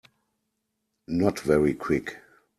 Not very Quick.